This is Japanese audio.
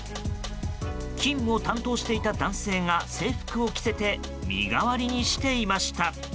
勤務を担当していた男性が制服を着せて身代わりにしていました。